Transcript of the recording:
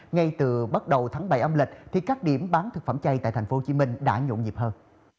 ngay từ bắt đầu tháng bảy âm lịch thì các điểm bán thực phẩm chay tại tp hcm đã nhộn nhịp hơn